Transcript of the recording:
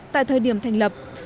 tại thời điểm thành lập